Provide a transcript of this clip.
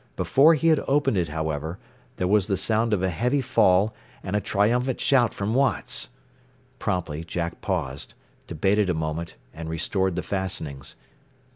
Before he had opened it, however, there was the sound of a heavy fall, and a triumphant shout from Watts. Promptly Jack paused, debated a moment, and restored the fastenings.